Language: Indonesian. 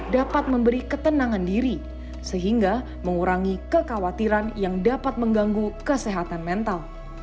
dapat memberi ketenangan diri sehingga mengurangi kekhawatiran yang dapat mengganggu kesehatan mental